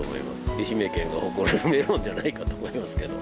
愛媛県が誇るメロンじゃないかと思いますけど。